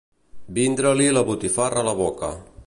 Vindre-li la botifarra a la boca.